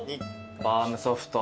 バウムソフト